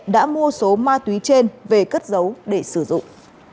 đã mua số ma túy trên về cất giấu để sử dụng